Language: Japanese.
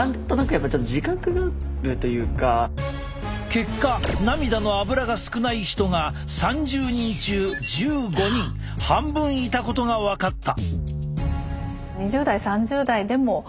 結果涙のアブラが少ない人が３０人中１５人半分いたことが分かった！